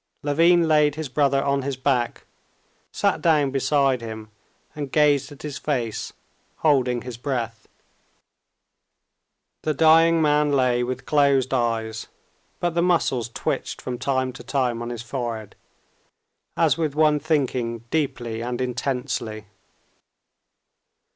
Levin laid his brother on his back, sat down beside him, and gazed at his face, holding his breath. The dying man lay with closed eyes, but the muscles twitched from time to time on his forehead, as with one thinking deeply and intensely.